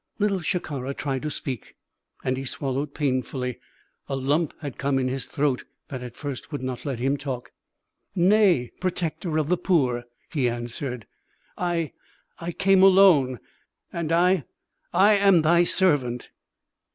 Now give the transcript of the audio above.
Little Shikara tried to speak, and he swallowed painfully. A lump had come in his throat that at first would not let him talk. "Nay, Protector of the Poor!" he answered. "I I came alone. And I I am thy servant."